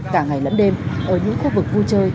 cả ngày lẫn đêm ở những khu vực vui chơi